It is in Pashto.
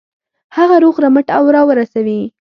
هغه روغ رمټ را ورسوي.